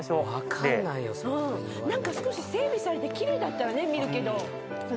何か少し整備されて奇麗だったらね見るけど。